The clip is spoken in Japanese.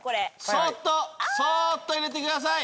そーっとそーっと入れてください。